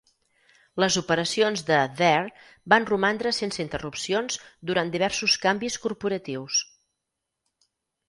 Les operacions de "There" van romandre sense interrupcions durant diversos canvis corporatius.